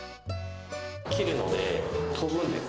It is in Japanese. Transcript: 切るので、飛ぶんです。